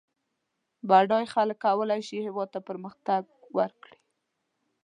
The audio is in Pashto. بډای خلک کولای سي هېواد ته پرمختګ ورکړي